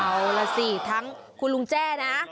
เอาล่ะสิทั้งคุณลุงแจ้นะ